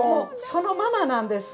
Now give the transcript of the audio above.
そのままなんです。